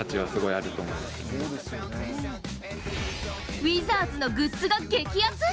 ウィザーズのグッズが激アツ？